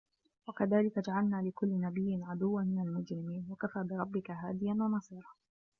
وَكَذلِكَ جَعَلنا لِكُلِّ نَبِيٍّ عَدُوًّا مِنَ المُجرِمينَ وَكَفى بِرَبِّكَ هادِيًا وَنَصيرًا